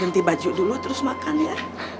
ganti baju dulu terus makan ya